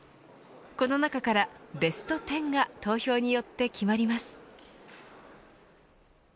この中からベスト１０が投票によって決まります。